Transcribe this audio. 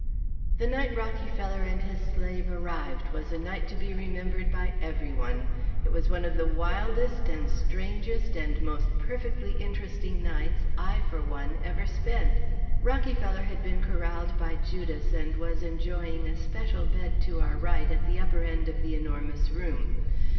The night Rockyfeller and his slave arrived was a night to be remembered by everyone. It was one of the wildest and strangest and most perfectly interesting nights I, for one, ever spent. Rockyfeller had been corralled by Judas, and was enjoying a special bed to our right at the upper end of The Enormous Room.